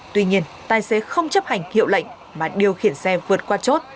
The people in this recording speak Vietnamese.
tuy nhiên tài xế không chấp hành hiệu lệnh mà điều khiển xe vượt qua chốt